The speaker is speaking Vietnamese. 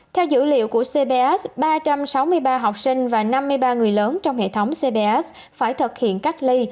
theo dữ liệu của cbs ba trăm sáu mươi ba học sinh và năm mươi ba người lớn trong hệ thống cbs phải thực hiện cách ly